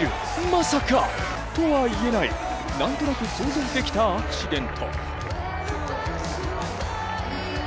まさかとは言えない、何となく想像できたアクシデント。